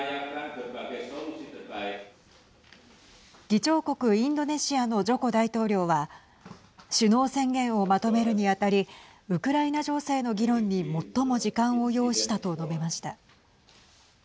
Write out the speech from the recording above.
議長国インドネシアのジョコ大統領は首脳宣言をまとめるに当たりウクライナ情勢の議論に最も時間を要したと述べました。